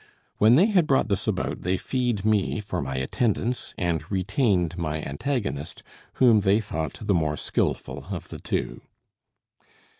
When they had brought this about, they feed me for my attendance and retained my antagonist, whom they thought the more skilful of the two.